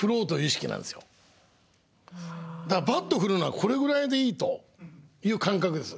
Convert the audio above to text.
だからバット振るのはこれぐらいでいいという感覚です。